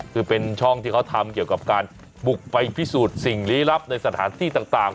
คือเป็นช่องที่เขาทำเกี่ยวกับการบุกไปพิสูจน์สิ่งลี้ลับในสถานที่ต่าง